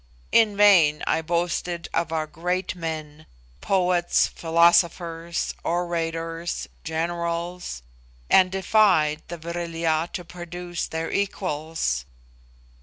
In vain I boasted of our great men poets, philosophers, orators, generals and defied the Vril ya to produce their equals.